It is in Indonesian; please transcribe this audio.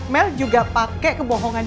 mel juga pakai kebohongan